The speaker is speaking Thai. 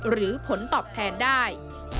หรือผลตอบแทนได้